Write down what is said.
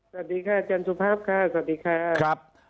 สวัสดีค่ะเจนสุภาพค่ะสวัสดีค่ะ